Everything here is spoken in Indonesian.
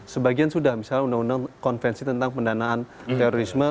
sebagian sudah misalnya undang undang konvensi tentang pendanaan terorisme